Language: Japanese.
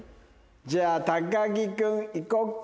じゃあ高木君いこうか。